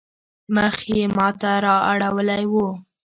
مخ يې ما ته رااړولی وو.